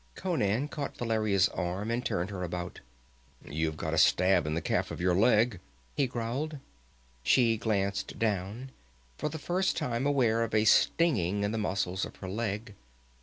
Conan caught Valeria's arm and turned her about. "You've got a stab in the calf of your leg," he growled. She glanced down, for the first time aware of a stinging in the muscles of her leg.